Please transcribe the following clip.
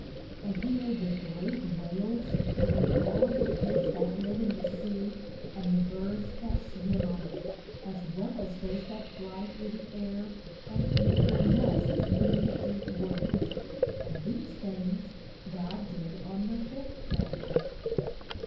And he made the great whales, and all the fish that live in the sea, and the birds that swim on it, as well as those that fly through the air, and make their nests in the deep woods. And these things God did on the fifth day.